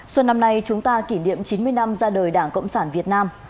xuân năm nay chúng ta kỷ niệm chín mươi năm ra đời đảng cộng sản việt nam